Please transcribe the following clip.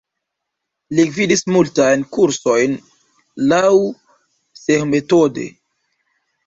Li gvidis multajn kursojn laŭ Cseh-metodo.